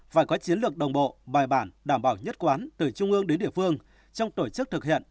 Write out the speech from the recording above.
phải có chiến lược đồng bộ bài bản đảm bảo nhất quán từ trung ương đến địa phương trong tổ chức thực hiện